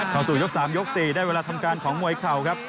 เข้าสู่ยก๓ยก๔ได้เวลาทำการของมวยเข่าครับ